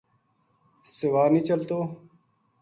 سوا نیہہ چلتو‘‘